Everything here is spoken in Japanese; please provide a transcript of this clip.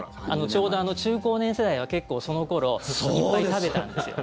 ちょうど中高年世代は結構、その頃いっぱい食べたんですよ。